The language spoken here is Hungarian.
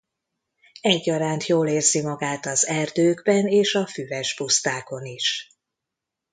Egyaránt jól érzi magát az erdőkben és a füves pusztákon is.